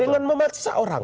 dengan memaksa orang